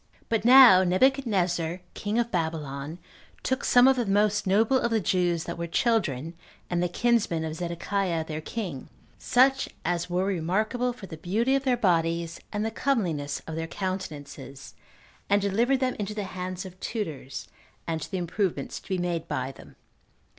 1. But now Nebuchadnezzar, king of Babylon, took some of the most noble of the Jews that were children, and the kinsmen of Zedekiah their king, such as were remarkable for the beauty of their bodies, and the comeliness of their countenances, and delivered them into the hands of tutors, and to the improvement to be made by them.